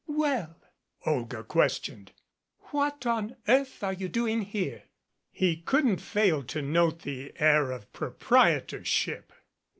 "Well," Olga questioned, "what on earth are you doing here?" He couldn't fail to note the air of proprietorship.